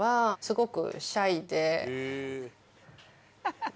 ハハハ！